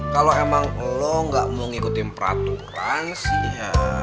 kalau emang lo gak mau ngikutin peraturan sih ya